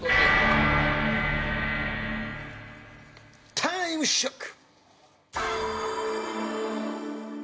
タイムショック！